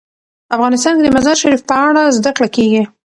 افغانستان کې د مزارشریف په اړه زده کړه کېږي.